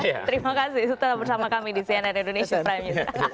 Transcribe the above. terima kasih sudah bersama kami di cnn indonesia prime